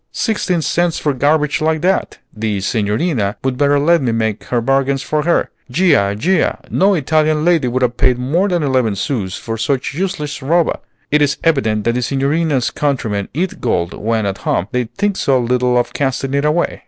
"Sixteen cents for garbage like that! The Signorina would better let me make her bargains for her. Già! Già! No Italian lady would have paid more than eleven sous for such useless roba. It is evident that the Signorina's countrymen eat gold when at home, they think so little of casting it away!"